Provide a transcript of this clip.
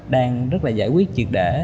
đang rất là giải quyết triệt để